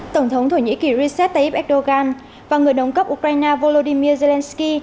tổng thống thổ nhĩ kỳ recep tayyip erdogan và người đồng cấp ukraine volodymyr zelensky